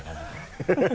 ハハハ